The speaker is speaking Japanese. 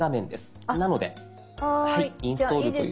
なので「インストール」という。